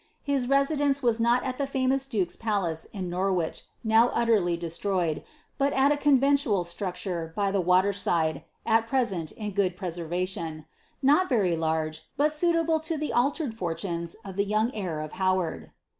His residence was not at the famous duke's palace, in Norwich, now utterly destroyed, but at a conventual structure by the water side, at present in good preservation ; not very large, but suitable to the altered fortunes of the young heir of Howard.